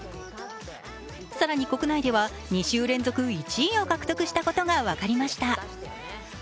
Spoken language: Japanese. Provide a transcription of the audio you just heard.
更に、国内では２週連続１位を獲得したことが分かりました。